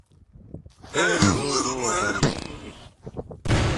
Pell zo zo abaoe.